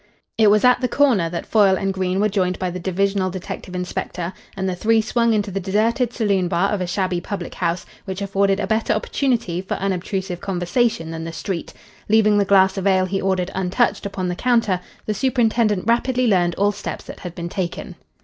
It was at the corner that Foyle and Green were joined by the divisional detective inspector, and the three swung into the deserted saloon bar of a shabby public house which afforded a better opportunity for unobtrusive conversation than the street. Leaving the glass of ale he ordered untouched upon the counter, the superintendent rapidly learned all steps that had been taken.